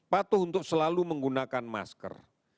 patuh untuk selalu menggunakan masker